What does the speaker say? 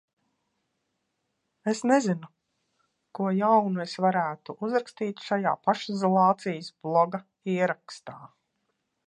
Es nezinu, ko jaunu es varētu uzrakstīt šajā pašizolācijas bloga ierakstā.